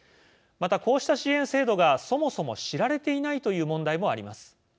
また、こうした支援制度がそもそも知られていないという問題もあります。